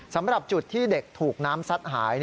สำหรับจุดที่เด็กถูกน้ำซัดหาย